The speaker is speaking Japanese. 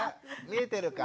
見えてるか。